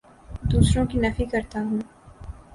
دوسروں کے نفی کرتا ہوں